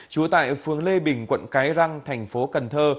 trú tại phường lê bình quận cái răng thành phố cần thơ